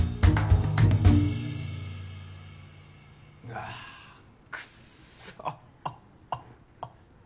あぁくっそ。